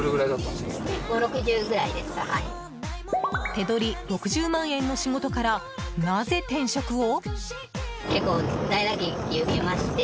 手取り６０万円の仕事からなぜ転職を？